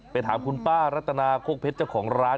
ถามคุณป้ารัตนาโคกเพชรเจ้าของร้าน